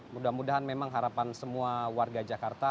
mudah mudahan memang harapan semua warga jakarta